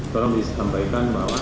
tolong disampaikan bahwa